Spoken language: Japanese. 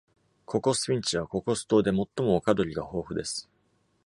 ココスフィンチはココス島で最も陸鳥が豊富です。